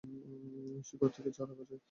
শিকড় থেকেও চারা গজায়।